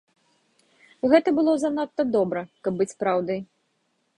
Гэта было занадта добра, каб быць праўдай.